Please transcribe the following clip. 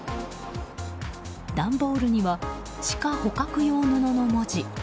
段ボールにはシカ捕獲用布の文字。